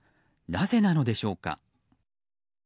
なぜなのでしょうか。